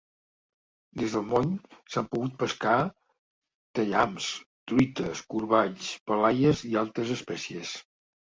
Des del moll s'han pogut pescar tallahams, truites, corballs, palaies i altres espècies.